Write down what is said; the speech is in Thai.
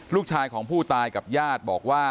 ลูกชายของผู้ตายกับญาติบอกว่า